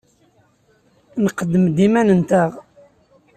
Nqeddem-d iman-nteɣ.